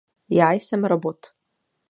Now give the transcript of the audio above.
Já jsem robot.